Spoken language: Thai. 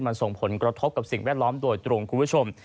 มันส่งผลกระทบกับสิ่งแวดล้อมโดยตรงคุณผู้ชม